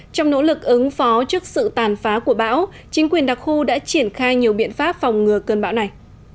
trong nỗ lực ứng phó trước sự tàn phá của bão chính quyền đặc khu đã triển khai nhiều biện pháp phòng ngừa cơn bão này